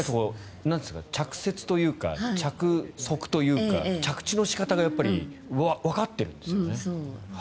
着雪というか着足というか着地の仕方がわかってるんですよね。